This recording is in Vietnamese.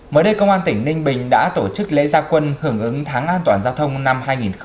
mới đây công an tỉnh ninh bình đã tổ chức lễ gia quân hưởng ứng tháng an toàn giao thông năm hai nghìn hai mươi